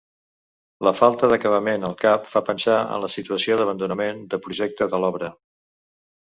La falta d'acabament al cap fa pensar en la situació d'abandonament de projecte de l'obra.